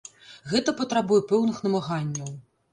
Гэта патрабуе пэўных намаганняў.